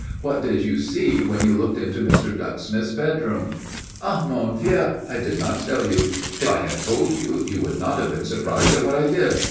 What did you see when you looked into Mr. Ducksmith's bedroom?" "Ah, mon vieux, I did not tell you. If I had told you, you would not have been surprised at what I did.